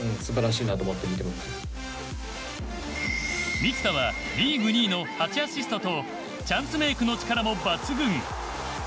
満田はリーグ２位の８アシストとチャンスメークの力も抜群。